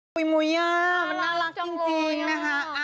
ปุ๋ยมุ้ยอ่ะน่ารักจริงนะคะ